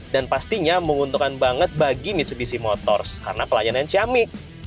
dan pastinya menguntungkan banget bagi mitsubishi motors karena pelayanan xiaomi